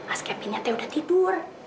mas kevin nyatanya udah tidur